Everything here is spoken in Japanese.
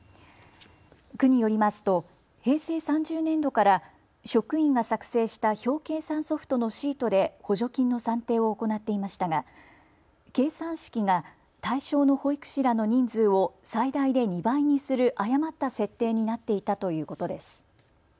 区によりますと平成３０年度から職員が作成した表計算ソフトのシートで補助金の算定を行っていましたが計算式が対象の保育士らの人数を最大で２倍にする誤った設定になっていたということです。